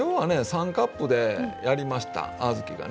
３カップでやりました小豆がね。